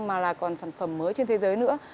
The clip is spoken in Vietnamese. mà là còn sản phẩm mới trên thế giới nữa